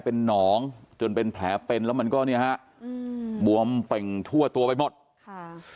เป็นหนองจนเป็นแผลเป็นแล้วมันก็เนี่ยฮะอืมบวมเป่งทั่วตัวไปหมดค่ะ